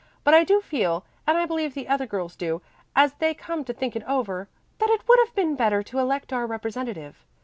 But I do feel, and I believe the other girls do, as they come to think it over, that it would have been better to elect our representative.